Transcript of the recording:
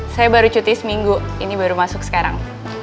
saya baru cuti seminggu ini baru masuk sekarang